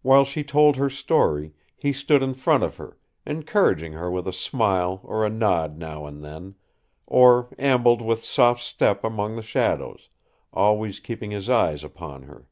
While she told her story, he stood in front of her, encouraging her with a smile or a nod now and then, or ambled with soft step among the shadows, always keeping his eyes upon her.